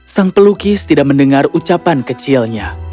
sang pelukis tidak mendengar ucapan kecilnya